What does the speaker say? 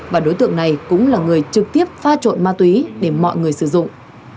và đối tượng này cũng là người trực tiếp pha trộn ma túy để mọi người sử dụng